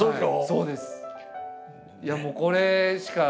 そうです。